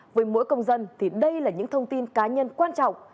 với mỗi công dân thì đây là những thông tin cá nhân quan trọng